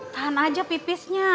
tahan aja pipisnya